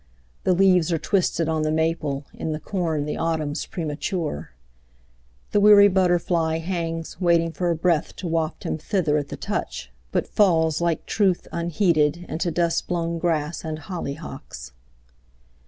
The leaves are twisted on the maple, In the corn the autumn's premature; The weary butterfly hangs waiting For a breath to waft him thither at The touch, but falls, like truth unheeded, into dust blown grass and hollyhocks.